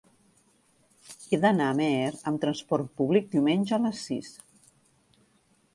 He d'anar a Amer amb trasport públic diumenge a les sis.